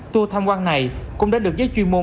tua tham quan này cũng đã được giấy chuyên môn